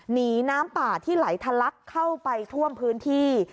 หนีน้ำป่าที่ไหลทะลักเข้าไปท่วมพื้นที่